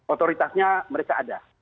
otoritasnya mereka ada